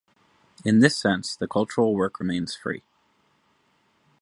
In this sense, the cultural work remains free.